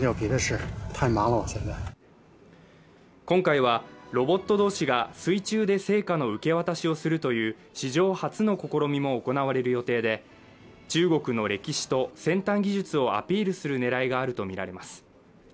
今回はロボット同士が水中で聖火の受け渡しをするという史上初の試みも行われる予定で中国の歴史と先端技術をアピールするねらいがあると見られます